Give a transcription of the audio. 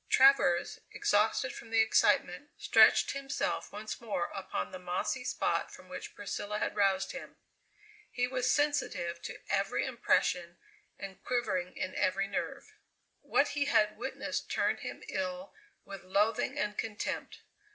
Travers, exhausted from the excitement, stretched himself once more upon the mossy spot from which Priscilla had roused him. He was sensitive to every impression and quivering in every nerve. What he had witnessed turned him ill with loathing and contempt.